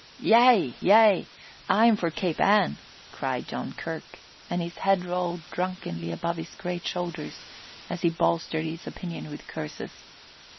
"Yea, yea! I am for Cape Ann," cried Joe Kirk, and his head rolled drunkenly above his great shoulders as he bolstered his opinion with curses.